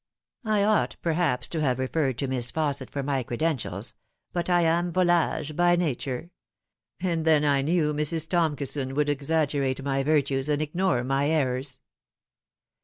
I ought perhaps to have referred to Miss Fausset for my credentials but I am volage by nature : and then I knew Mrs. Toinkison would exaggerate my virtues and ignore my errors."